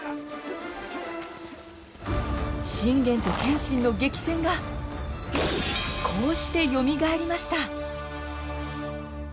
信玄と謙信の激戦がこうしてよみがえりました。